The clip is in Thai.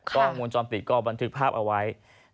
กล้องวงจรปิดก็บันทึกภาพเอาไว้